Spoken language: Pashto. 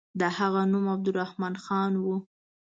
د هغه نوم عبدالرحمن خان وو.